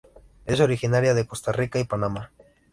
Es originaria de Costa Rica y Panamá.